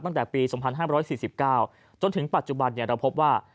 ตั้งแต่ปี๒๕๔๙จนถึงปัจจุบันเราพบว่า